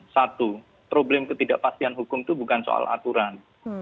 satu problem ketidakpastian hukum itu bukan soal aturan